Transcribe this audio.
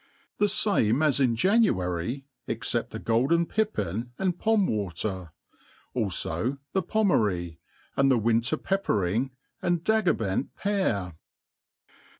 THE fame ^s in January, except the golden*pippin and pom water \ alfo the pomery, and the winter peppering and dagobent pear.